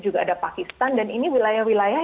juga ada pakistan dan ini wilayah wilayah